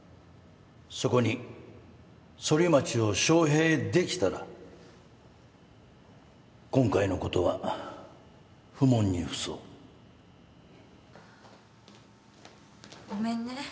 そこにソリマチを招聘できたら今回のことは不問に付そうごめんね。